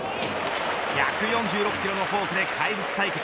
１４６キロのフォークで怪物対決